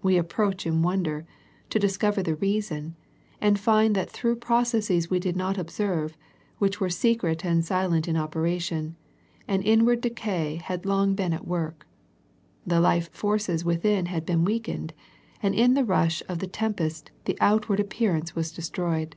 We approach, in wonder, to discover the reason, and find that through processes we did not observe, which were secret and silent in operation, an inward decay had long been at work. The life forces within had been weakened, and in the rush of the tempest the outward appear ance was destroyed.